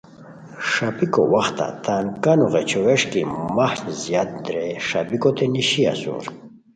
ݰاپیکو وختہ تان کانو غیچو ویݰکی مہچ زیاد درئے ݰاپیکوتین نیشی اسور